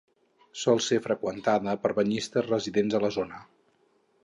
Sol ser freqüentada per banyistes residents de la zona.